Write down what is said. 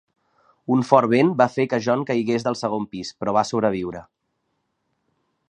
Un fort vent va fer que John caigués del segon pis, però va sobreviure.